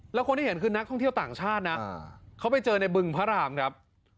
แล้วคนที่เห็นคือนักท่องเที่ยวต่างชาตินะเขาไปเจอในบึงพระรามครับ